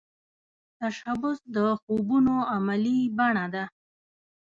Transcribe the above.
تشبث د خوبونو عملې بڼه ده